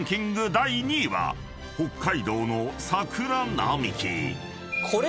第２位は北海道の桜並木］